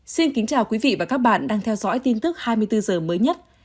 xin kính chào quý vị và các bạn đang theo dõi tin tức hai mươi bốn h mới nhất